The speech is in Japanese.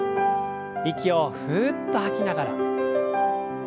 息をふっと吐きながら。